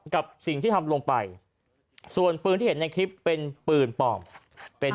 กับสิ่งที่ทำลงไปส่วนปืนที่เห็นในคลิปเป็นปืนปลอมเป็น